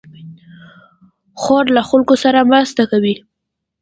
خور له خلکو سره مرسته کوي.